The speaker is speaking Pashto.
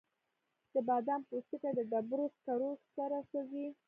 د بادامو پوستکي د ډبرو سکرو سره سوځي؟